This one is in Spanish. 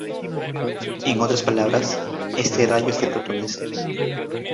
En otras palabras, este rayo es de protones.